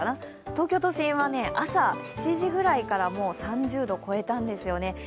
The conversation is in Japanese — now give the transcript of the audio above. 東京都心は朝７時ぐらいから、もう３０度超えたんですよね。